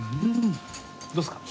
どうですか？